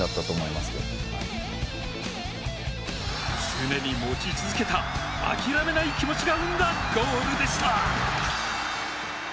常に持ち続けた諦めない気持ちが生んだゴールでした。